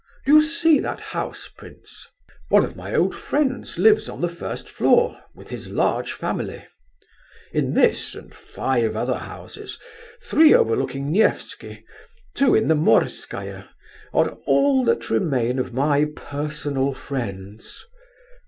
Do you see that house, prince? One of my old friends lives on the first floor, with his large family. In this and five other houses, three overlooking Nevsky, two in the Morskaya, are all that remain of my personal friends.